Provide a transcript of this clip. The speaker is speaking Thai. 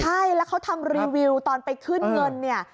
ใช่แล้วเขาทำรีวิวตอนไปขึ้นเงินเนี่ย